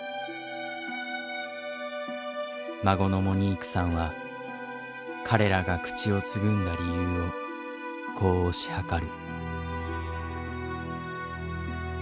孫のモニークさんは彼らが口をつぐんだ理由をこう推し量る。